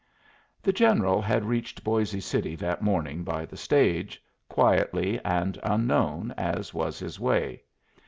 The General had reached Boisé City that morning by the stage, quietly and unknown, as was his way.